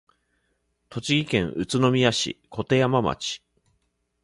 栃木県宇都宮市鐺山町